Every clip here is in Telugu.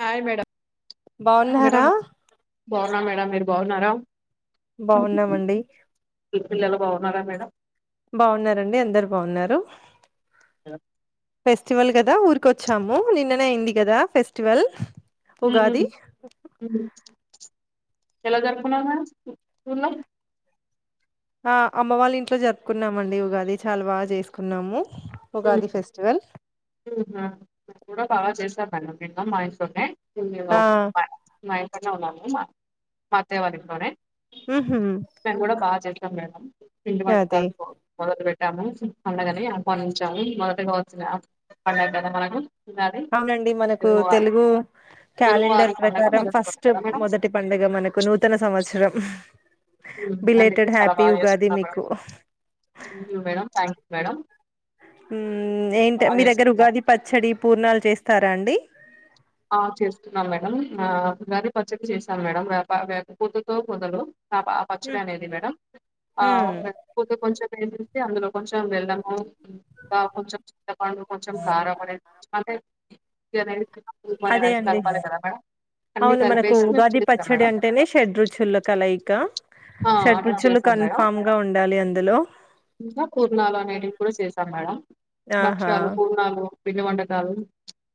హాయ్ మేడం బాగున్నారా మేడం బాగున్నా మేడం మీరు బాగున్నారా మీ బాగున్నామండి పిల్లలు బాగున్నారా మేడం బాగున్నారండి అందరు బాగున్నారు [inaudible] ఫెస్టివల్ కదా ఊరికొచ్చాము నిన్ననే అయింది కదా ఫెస్టివల్ ఉ ఉగాది ఉ ఎలా జరుపుకున్నారు మేడం ఊర్లో ఆ అమ్మ వాళ్ళ ఇంట్లో జరుపుకున్నామండి ఉగాది చాలా బాగా చేసుకున్నాము ఉగాది ఫెస్టివల్ అవునా మేము కూడా బాగా చేసాం మేడం మా ఇంట్లోనే [inaudible] ఆ ఇక్కడనే ఉన్నాము మా అత్తయ్య వాళ్ళ ఇంట్లోనే ఉహు నేను కూడా బాగా జరుపు ఆ మేడం పిండి అదే వంటకాలకు మొ మొదలు పెట్టు టాము పండగని ఆహ్వానించాము మొదటగా వచ్చిన [inaudible] మనకు ఉగాది అవునండి మనకు తెలుగువారి తెలుగు క్యాలెండర్ తెలుగువారి పండగ ప్రకారం మొదటి పండగ ఫస్ట్ కదా మేడం మొదటి పండుగ మనకు నూతన సంవత్సరం అందుకే బిలేటెడ్ చాలా హ్యాపీ బాగా ఉగాది చేసుకున్నాం మేడం మీకు thank you madam thank you madam ఉ ఏంటి బాగా మీ దగ్గర మీరు చేస్తున్నాం ఉగాది పచ్చడి పూర్ణాలు చేస్తారా అండి ఆ చేస్తున్నాం మేడంమ్ ఆ ఉగాది పచ్చడి చేస్తాం మేడం వేప వేప పువ్వుతో పొదడు ఆ ఆ పచ్చడి అనేది మేడం ఆ ఉమ్ లేకపోతే కొంచెం ఏ అందలో కొంచెం బెల్లము ఇంకా కొంచెం చింతపండు కొంచెం కారం అది అంటే జరైతే మరి అదే అది అండి అన్ని అవును మనకు కలిపేసి కదా మేడ అన్ని కలిపేసి మేము ఉగాది చేస్తాం పచ్చడి మేడ అంటేనే షడ్ రుచుల కలయిక ఆ షడ్ ఆర్డర్ రుచులు చేసాం మేడం కన్ఫామ్ గా ఉండాలి అందులో ఇంకా పూర్ణాలు అనేటివి కూడా చేసాం మేడం ఆహా భక్ష్యాలు పూర్ణాలు పిండి వంటకాలు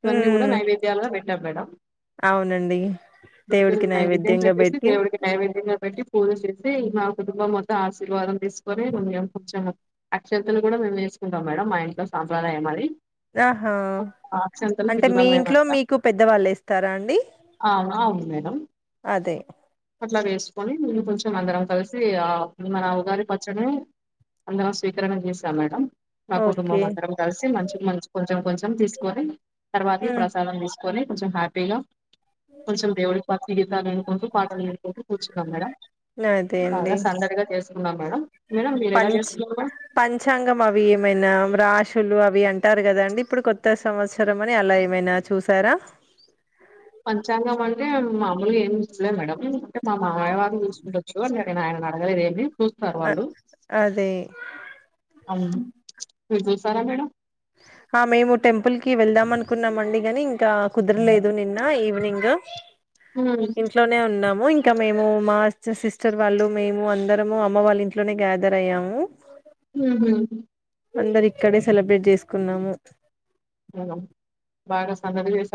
ఇవన్నీ కూడా ఉమ్ మైయి ట్టా మేడం అవునండి దేవుడికి నైవేద్యం నైవేద్యంగా పెట్టేసి పెట్టి దేవుడికి నైవేద్యం పెట్టి పూజ చేసి మా కుటుంబం మొత్తం ఆశీర్వాదం తీసుకొని కొంచెం అక్షింతలు కూడా మేము వేసుకుంటాం మేడం మా ఇంట్లో సాంప్రదాయం అది ఆహా అక్షంతలు అంటే పిల్లలం మీ ఇంట్లో మీ మేమంతా మీకు పెద్దవాళ్ళు ఎస్తారా అండి అవును అవును మేడం అదే అట్లా వేసుకొని మేము కొంచెం అందరం కలిసి ఆ మన అవగారి పచ్చడి అందరం స్వీకరణ చేసా మేడం మా ఓకే కుటుంబం అందరం కలిసి మంచి మ కొంచెం కొంచెం తీసుకొని తర్వాతికి ఉమ్ ప్రసాదం తీసుకొని కొంచెం హపీలో కొంచెం దేవుడి భక్తి గీతాలు వినుకుంటూ పాటలు వినుకుంటూ కూర్చున్నాం మేడం అదే అండి బాగా సందడిగా జరి ఏసుకున్నాం మేడం మేడం మీరు ఎలా పంచ్ చేసుకున్నారు మేడం పంచాంగం అవి ఏమైనా రాశులు అవి అవి అంటారు కదా అండి ఇప్పుడు కొత్త సంవత్సరం అని అలా ఏమైనా చూసారా పంచాంగం అంటే మామూలు ఏంలే మేడం మా మావయ్యవాళ్ళు చూసు కుండొచ్చు అన్నాడు ఆయన హలో ఏమి చూస్తారు అ వాళ్ళు అదే అవును. మీరు చూశారా మేడం ఆ మేము టెంపుల్ కి వెళ్దాం అనుకున్నామండి గాని ఇంకా కుదరలేదు నిన్న ఈవినింగ్ హ్మ్. ఇంట్లోనే ఉన్నాం ఇంకా మేము మా సిస్టర్ వాళ్ళు మేము అందరము అమ్మ వాళ్ళ ఇంట్లోనే గ్యాదర్ అయ్యాము ఉ హు అందరు ఇక్కడే సెలబ్రేట్ చేసి కున్నాము బాగా సందడి చేసి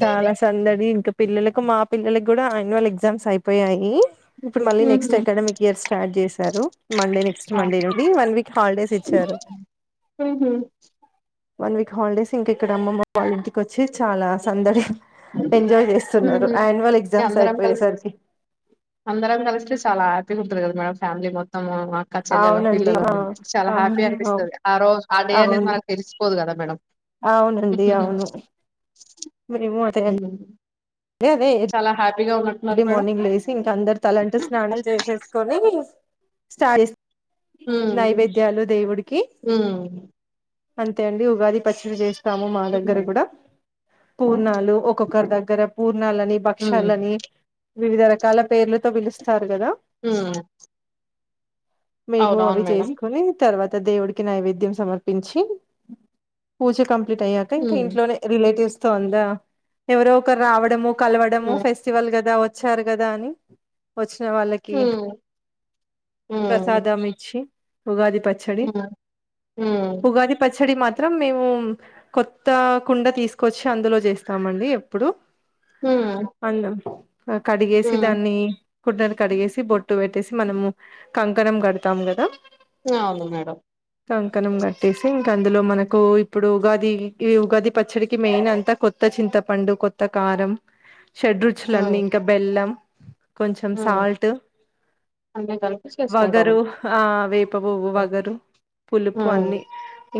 చాలా సందడి ఇంకా పిల్లలకి మా పిల్లలకి కూడా ఆన్యువల్ ఎగ్జామ్స్ అయిపోయాయి ఇప్పుడు మళ్లీ నెస్ట్ హుహు. అకాడమిక్ ఇయర్స్ స్టార్ట్ చేశారు మండే నెక్స్ట్ ఆ! మండే నుండి వన్ వీక్ హాలిడేస్ ఇచ్చారు హుహు. వన్ వీక్ హాలిడేస్ ఇంకా ఇక్కడ అమ్మమ్మ వాళ్ళ ఇంటికి వచ్చి చాలా సందడి ఎంజాయ్ చేస్తున్నారు హ్మ్. యాన్యువల్ ఇగ ఎగ్జామ్స్ అందరం కలిసి అయిపోయేసరికి అందరం కలిస్తే చాలా హ్యాపీగా ఉంటుంది కదా మేడం ఫ్యామిలీ మొత్తం అక్క చెల్లెలం అవునండి పిల్లల ఆ చాలా హ్యాపీ అవును అవు- అనిపిస్తుంది ఆ రోజు ఆ డే అనేది అవును మనకు తెలిసిపోదు కదా మేడం అవునండి అవును మీరు ముతేయలి హ్మ్. చాలా హ్యాపీగా ఉన్న ఎర్లీ మార్నింగ్ లే ఇంక అందరు తలంటూ స్నానం చేసేసుకొని స్టార్ట్ [unintelligible] హ్మ్ నైవేద్యాలు దేవుడికి హ్మ్ అంతే అండి ఉగాది పచ్చడి జేష్ స్తాము మా దగ్గర హ్మ్ కూడా పూర్ణాలు ఒక్కొక్కరి దగ్గర పూర్ నాల్ అని హ్మ్ భక్ష్యాలని వివిధ రకాల పేర్లతో పిలుస్తారు కదా హ్మ్ మేము అవి అవునవును మేడం చేసుకోని తర్వాత్ త దేవుడికి నైవేద్యం సమర్పించి పూజ కంప్ ప్లీట్ అయ్యాక ఇంక హ్మ్ ఇంట్లోనే రిలేటివ్స్ తొందా అ ఎవరో ఒకరు రావడము కలవడము హ్మ్ ఫెస్ట్ వల్ కదా వచ్చారు కదా అని వచ్ వాళ్ళకి హ్మ్ హ్మ్ ప్రసాదం ఇచ్చి ఉగాది పచ్చడి హ్మ్ హ్మ్ ఉగాది పస్ పచ్చడి మాత్రం మేము కొత్త కుండ తీసుకొచ్చి అందులో చేస్తామండి ఎప్పుడు హ్మ్ అందం ఆ కడిగేసి హ్మ్ దాన్ని కుండను కడిగేసి బొట్టు పెట్టేసి మనము కంకణం కడతాము కదా అవును మేడం కంకనం కట్టేసి ఇంకా అందులో మనకు ఇప్పుడు ఉగాది కి ఉగాది పచ్చడికి మెయిన్ అంతా కొత్త చింతపండు కొత్త కారం షడ్ హ్మ్ చ్చులన్నీ ఇంకా బెల్లం కొంచెం హ్మ్ సాల్ట్ అన్నీ కలిపి చేసుకుంటాము. వగరు ఆ వేప పువ్వు వగరు పులుపు హ్మ్ అన్ని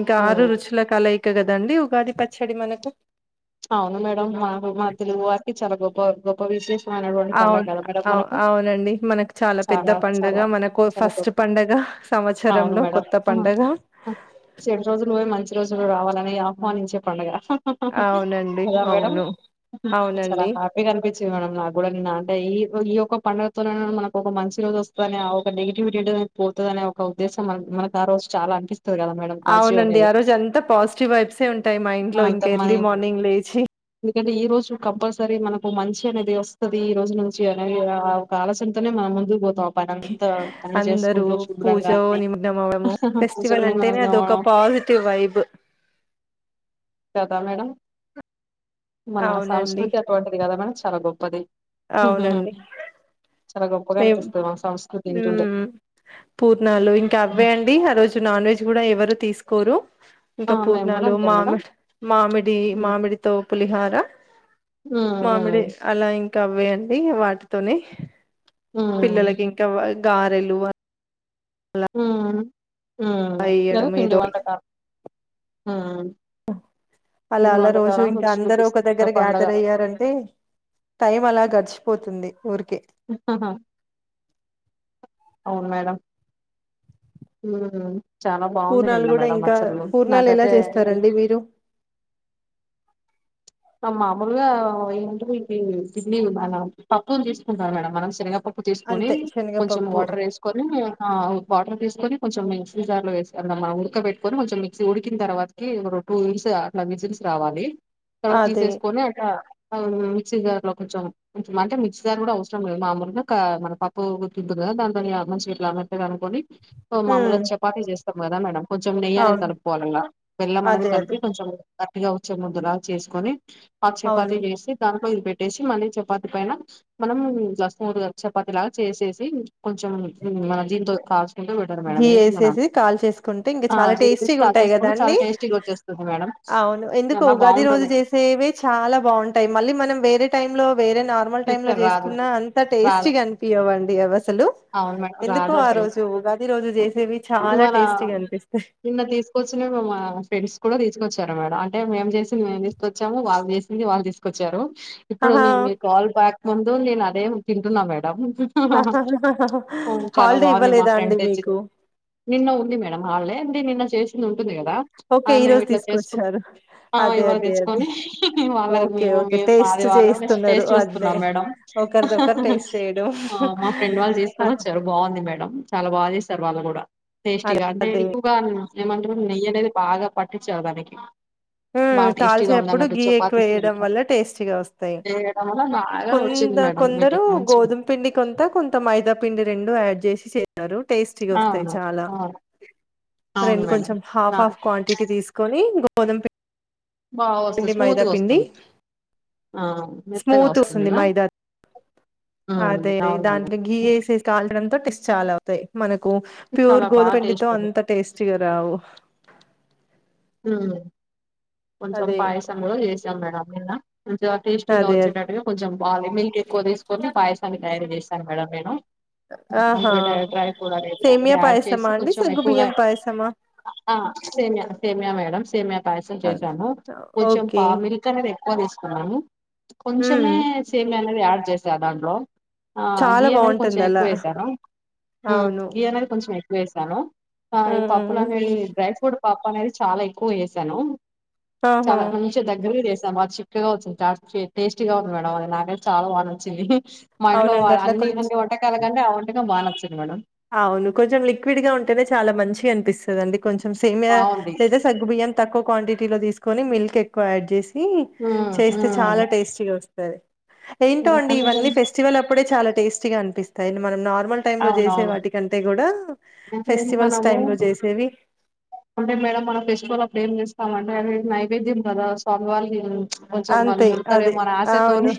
ఇంకా ఆరు హ్మ్ రుచుల కలయిక్ కద్ దండి ఉగాది పచ్చడి మనకు అవును మేడం మాకు తెలుగువారికి చాలా గొప్ప గ్ గొప్ప విశేష్ అవున్ అవు అవునండి మనకు చాలా పెద్ద పండగ చాలా మనకు చాలా ఫస్ట్ గొప్ప పండగ అవును సంవత్సరంలో మేడం. కొత్త ఆహా! పండగ జులు రావాలని ఆహ్వానించే పండుగ హ హ హ అవునండి హలో మేడమ్ అవును చాలా అవునండి హ్యాపీగా అనిపి మేడం నాగ్గూడా అంటే ఈ ఈ యొ పండగ మన ఒక మంచి రోజు వస్తుందని ఆ ఒక నెగిటివిటీ పోతుంది అనే ఒక ఉద్దేశం మనకు ఆ రోజు చాలా అనిపిస్తుంది అవునండి ఆ రోజు అంతా పాజిటివ్ వైబ్సె ఉంటాయి మైండ్ ఆ! లో అంత ఇంకా మన ఎర్లీ మార్నింగ్ లేచి ఎందుకంటే ఈ రోజు కంపల్సరీ మనకు మంచి అనేది వస్తది ఈ రోజు నుంచి అనేది ఒక ఆలోచనతోనే మనం ముందుకు పోతాం పని అంతా అన్ని అందరుూ చేసుకుంటూ పూజ శుభ్రంగా అన్ని నిమగ్నవడము ఫెస్టివల్ కూర్చొని మనం అంటేనే అద ఒక పాజిటివ్ వైబ్ కదా మేడం మన అవునండి. సంస్కృతి అటువంటిది గదా మనడం చాలా గొప్ప ప్పది అవునండి చాలా గొప్పగా మే అనిపిస్తది మన సంస్కృతి వింటుంటే పూర్ణాలు ఇంకా అవే అండి ఆ రోజు నాన్ వెెజ్ గూడా ఎవరు తీసు కురు ఆ ఇంకా మేము కూడా పూర్ణాలు అంతే మేడం మామిడి మామిడి హ్మ్. మామిడితో పులిహార మామిడి హ్మ్. అలా ఇంకా వ్వే అండి వాటితోనే హ్మ్. పిల్లలకి ఇంకా గారెలు ఊ ఊ అలా ఏదో ఎయ్యడం పిండి వంటకాలు ఆ అలా అలా రోజు ఇంక రుచి అందరూ ఒక దగ్గర చూపిస్తుంది పండగ గ్యాదర్ అయ్యారంటే టైం అలా గడిచిపోతుంది ఊరికే ఆహా అవును మేడం చాలా బాగుంది పూర్ణాలు నిన్న గూడా మేడం ఇంకా అసలు పూర్ణాలు ఎలా నాకైతే చేస్తారండి మీరు ఆ మామూలుగా ఏంటి ఇది పిండి మన పప్పు దీసుకుంటారు మేడం మనం శనగపప్పు పప్పు తీసుకొని అంతే కొంచెం శనగపప్పు వాటర్ ఏసుకొని ఆ వాటర్ తీసుకొని కొంచెం మిక్సీజార్లో వేస్తారుగ మనం ఉడకబట్టుకొని కొంచెం మిక్సీ ఉడికిన తర్వాతకి ఓ టూ విజిల్స్ అట్లా విజల్స్ రావాలి తర్వాత అదే తీసేసుకొని అట్లా మిక్సీజార్లో కొంచెం ఇట్లా అంటే మిక్సీజార్ గూడా అవసరం లేదు మామూలుగా క మన పప్పు ఉడికింటుంది కదా దాంతోని ఆల్మోస్ట్ ఇట్లా మెత్తగఅనుకొని ఓ మాములుగా హ్మ్ చపాతీ చేసుకు కద మేడమ్ కొంచెం నెయ్యి అనేది అవును కలుపుకోవాలి ఇంగ బెల్లం అనేది అదే అదే కలిపి కొంచెం గట్టిగా వచ్చి ముద్దలాగ చేసుకొని ప అవును చెేపాతి చజేసి దాని రోల్ పెట్టేసి మళ్ళీ చపాతి పైన మనం ఇట్లా స్మూత్ గా చపాతి లాగా చేసేసి కొంచెం మన దీంతో కాస్. ఘీ ఏసేసి కాల్చేసుకుంటే ఇంకా ఆ చాలా చేసేసి టేస్టీగా ఉంటాయి కదా తాకేసుకుంటే చాలా అండి. టేస్టీగా వచ్చేస్తుంది మేడం అవును ఎందుకు చాలా ఉగాది రో రోజు బాగుంటుంది చేసేవి చాలా బాగుంటాయి మళ్ళీ మనం వేరే టైమ్లో. వేరే నార్మల్ చేస్తే టైమ్లో రాదు చేసుకున్నా అంత రాదు టేస్టీగా అనిపియవండీ. Three hours. అసలు అవును మేడం ఎందుకో రాదు ఆ అసలు రోజు ఉగాది. రోజు చేసేవి చాలా ఇవాళ టేస్టీగా అనిపిస్తాయి నిన్న తీసుకొచ్చినవి మా ఫ్రెండ్స్ కూడా తీసుకొచ్చారు మేడం. అంటే మేము చేసింది మేము తీసుకొచ్చాము. వాళ్ళు చేసింది వాళ్లు తీసుకొచ్చారు. ఇప్పుడు ఆహా నేన్ మీ కాల్ బ్యాక్ ముందు నేను అద్ లేదు తింటున్నా మేడమ్. ఆహ్ ఆహ్ హాలిడే ఇవ్వలేదా అండి తెచ్చింది మీకు. నిన్న ఉంది మేడమ్ హాలిడే అంటే నిన్న చేసింది ఉంది. ఉంటుంది కదా ఓకే ఆహ్ ఈ మేం రోజు ఇట్లా చేసుకుంటూ తీసుకొచ్చారు ఆహ్ అదే ఇవాళ అదే అదే తెచ్చుకొని ఉహు హు వాళ్లవి ఓకే మేము ఓకే టేస్ట్ మావి వాళ్లు జెస్ట్ చేస్తున్నారు టేస్ట్ అదే చూసుకున్నాం మేడం ఆహా ఒకరిదొకరు హా టేస్ట్ చేయడం ఆహ్ మా ఫ్రెండ్ వాళ్లు చేసింది. అదే వచ్చారు బాగుంది మేడం. చాలా బాగా చేస్తారు వాళ్ళను కూడా. అదే టేస్టీగా అంటే అదే. ఎక్కువగా అన్నా. ఏమంటారు నెయ్యి అనేది బాగా పట్టించారు దానికి. ఉమ్ బాగా టేస్టీగా ఉంది కాల్చేటప్పుడు అన్నట్టు ఘీ ఎక్కువ చపాతీస్ వేయడం వల్ల టేస్టీగా వస్తాయి. చేయడం వల్ల బాగా వచ్చింది కొంత మేడం కొందరు వీటికి మంచిగా గోధుమ పిండి కొంత కొంత మైదా. పిండి రెండు యాడ్ చేసి చే. చేస్తారు టేస్టీగా వస్తాయి అవును చాలా అవును అవును రెండు మేడం కొంచెం అఫ్ ఆఫ్ నాకు క్వాంటిటీ తీసుకొని గోధు. కొదంతే బాగా వస్తుంది స్మూత్గా వస్తుంది ఆహ్ మెత్తగా వస్తుంది ఆహ్. అదేది దాంట్లో ఘీ వేసేసి. కాల్డంతో టెస్ట్ చాలా అవుతాయి మనకు. ప్యూర్ చాలా బాగా గోధుమపిండితో టేస్ట్ ఉంది. అంత టేస్టీగా రావు. ఉమ్. కొంచెం అదే పాయసంలో చేసాం మేడం. ఎందా. కొంచంగా టేస్టీగా అదే అదే వచ్చేటటు కొంచెం బాదం మిల్క్ ఎక్కువ తీసుకొని పాయస నేనే తయారు చేస్తాను మేడం నేను. ఆహా అందులో డ్రై ఫ్రూట్ కూడా అనే ఆహ్ సేమియా యాడ్ పాయసమా చేసి అండి కొంచెం సగ్గు ఎక్కువగా బియ్యం పాయసమా ఆహ్ సే సేమియా మేడం సేమియా పాయసం. అదే చేశాను కొంచెం ఓకే పావిడి కలర్ ఎక్కువ వేసాను ఉమ్ కొంచెమే సేమియా అనేది యాడ్ చేసా దాంట్లో ఆ చాలా గీ అనేది కొంచెం బాగుంటుంది అలా ఎక్కువ వేసాను ఉ అవును గీ అనేది కొంచెం ఎక్కు వేసాను ఆ ఈ ఉమ్ పప్పులన్నీ డ్రై ఫ్రూట్ పప్పు అనేది చాలా ఎక్కువ వేసాను ఆహా చాలా మంచిగా దగ్గరిది బా చిక్కగా వచ్చింది టేస్టీగా ఉంది మేడం అది నాకైతే చాలా బాగా నచ్చింది మా ఇంట్లో అవునండి అట్లా అన్ని కొంచెం ఇన్నీ వంటకాల కంటే ఆ వంటకం బాగా నచ్చింది మేడం అవును కొంచెం లిక్విడ్ గా ఉంటేనే చాలా మంచిగ అనిపిస్ ఉంటదండి కొంచెం సేమియా బాగుంది లేదా సగ్గు బియ్యం తక్కువ క్వాంటిటీ లో తీసుకొని మిల్క్ ఎక్కువ యాడ్ చేసి ఇ ఉమ్ చేస్తే చాలా ఉమ్ టేస్టీ గా వస్తుంది సరే ఏంటో అండి అంతే కదా ఇవన్నీ ఫెస్టివల్ అప్పుడే చాలా టేస్టీ గా అనిపిస్తాయి మనం నార్ నార్మల్ టైంలో చేసి అవునవును వాటికంటే కూడా అంటే మనము టైమ్ లో చేసేవి అంటే మేడం మనం ఫెస్టివల్ అప్పుడు ఏం చేస్తామం నైవేద్యం కదా స్వామివార్లు కొంచెం వాళ్ళు అంతే అదే ముడతారేమో అని ఆశతోని అవును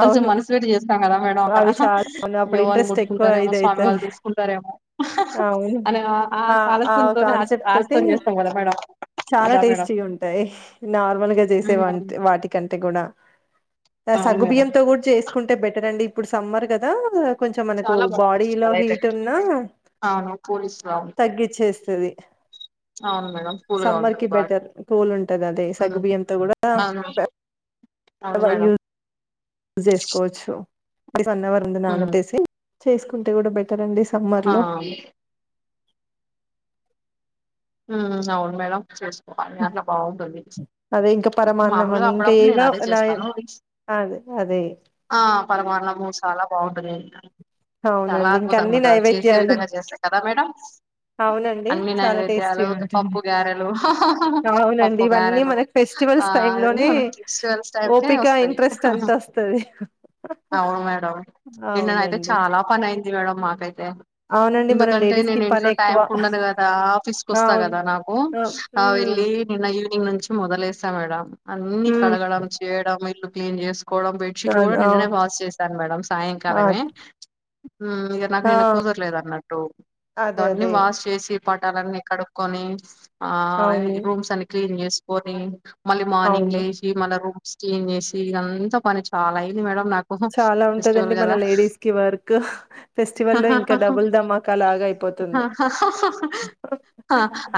కొంచెం అవును మనసు పెట్టీ చే స్తాం కదా మేడం అక్కడ అవి చాలా అవును అప్పుడు యో వాళ్ళు ఇంట్రెస్ట్ ఎక్కువ ముట్టుకుంటారేమో స్వామి వాళ్ళు ఇదయితది తీసుకుంటారేమో అవును అని ఆ ఆ ఆలోచనతోనే కాన్సెప్ట్ తోటి ఆశతోని చేస్తాం కదా మేడం చాలా అదా మేడం టేస్టీగా ఉంటాయి నార్మల్గా చేసే వా హ్మ్. వాటికంటే కూడా అవును మేడం సగ్గుబియ్యంతో కూడా చేసుకుంటే బెటర్ కండి ఇప్పుడు సమ్మర్ కదా కొంచెం మనకు చాలా బాడీ బాగుంటుంది లో కదా అయితే హీట్ ఉన్నా అవును కూలిస్గా ఉంటుంది తగ్గిచ్చేస్తది అవును మేడం కూల్గా సమ్మర్ కి ఉంటుంది బాడీ బెటర్ కూల్ ఉంటది అదే హ్మ్. సగ్గుబియ్యంతో కూడా అవును అవును మేడం యూస్ చేసుకోవచ్చు వన్ అవర్ ముందు నాన హ్మ్. బెట్టేసి చేసుకుంటే కూడా బెటర్ అండి సమ్మర్ ఆ లో హ అవును మేడం చే అదే ఇంకా పరమాన్నం మామూలుగా అని ఇంకా అప్పుడప్పుడు నేను ఏవ అదే చేస్తాను అదే అదే పరిమాణము చాలా బాగుంటది అవునండి ఇంక అన్ని నైవేద్యాలు విధంగా చేస్తా కదా మేడం అవునండి అన్ని చాలా టేస్ట్ నైవేద్యాలు పప్పు గారెలు అవునండి పప్పు ఇవన్నీ గారెలు మనకి ఆ ఫెస్టివల్స్ టైమ్ అన్న లోనే మన ఫస్టివల్స్ టై ఓపిక వస్తాయి ఇంట్రెస్ట్ అంత వస్తది అవును మేడం నేను అయితే అవునండి చాలా పాపమయింతి మ్యాడమ్ మాకయితే అవునండి మన ఎందుకంటే లేడీస్ నేను కి పని ఇంట్లో టైం ఎక్కువ కు ఉండను కదా ఆఫీస్ అవును కుస్తగదా నాకు ఆ ఉమ్ ఇ ని ఈనింగ్ నుంచి మొదలేస్తా మేడంమ్ అన్నిీ ఉమ్ కలగడం చేయడం ఇల్లు ఎంచేసు కోవడం బెడ్ ఆ షీట్లు కూడా నిన్ననే వాస్ చేశాను మేడం ఆ సాయంకాలమే ఇక నాకు ఆ నేను కుదర లేదు అన్నట్టు అదే అవన్నీ అదే వాష్ చేసి పటార కడుక్కొని ఆ అవును రూమ్స్ అన్నీ తి న్యూస్ పోని మళ్ళీ మార్నింగ్ అవును లేచి మళ్ రూమ్స్ న్ చేసి ఇదంతా పని చాలా అయింది మేడం నాకు చాలా ఉంటదండి ఫెస్టివల్ మన కదా లేడీస్ కి వర్క్ ఫెస్టివల్ లో ఇంకా డబుల్ ధమ్మాకాలాగా అయిపోతుంది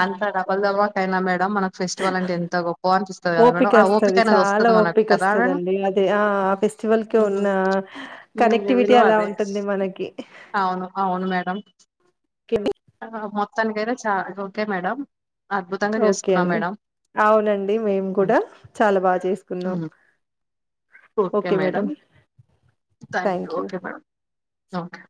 అంత డబల్ ధమాకా టైన మేడం మనకు ఫెస్టివల్ అంటే ఎంత గొప్ప అనిపిస్తది కదా మేడం ఓపిక ఆ వస్తుంది అనేది చాలా వస్తది మనకు ఓపిక కదా మేడం వస్తుందిండి అది ఆ ఆ ఫెస్టివల్ క ఉన్న హ్మ్. హ్మ్. కనెక్టివిటీ విలువ అలా అదే ఉంటుంది మనకి ఆ ఆహా తనకేవారో ఓకే మేడం అద్భుతంగా ఓకే చేసుకున్నాం అండి మేడం అవునండి మేము హ్మ్. కూడా చాలా బాగా చేసుకున్నాం హ్మ్. Okay madam thank you okay